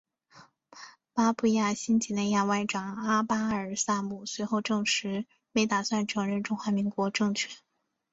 巴布亚新几内亚外长阿巴尔萨姆随后证实没打算承认中华民国政权。